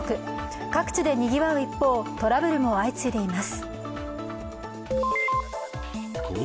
各地でにぎわう一方、トラブルも相次いでいます。